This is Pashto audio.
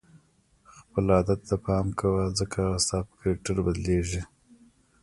خپل عادت ته پام کوه ځکه هغه ستا په کرکټر بدلیږي.